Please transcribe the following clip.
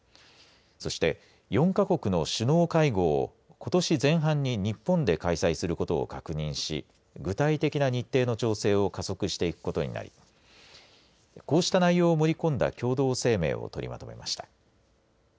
そして４か国の首脳会合をことし前半に日本で開催することを確認し具体的な日程の調整を加速していくことになりこうした内容を盛り込んだ共同声明を取りまとめました。